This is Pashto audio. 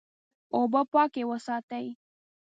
اوبه پاکې وساتئ.